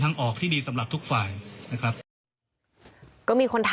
ทางคุณชัยธวัดก็บอกว่าการยื่นเรื่องแก้ไขมาตรวจสองเจน